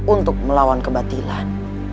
untuk melawan kebatilan